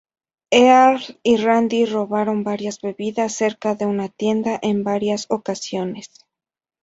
Earl y Randy robaron varias bebidas cerca de una tienda en varias ocasiones.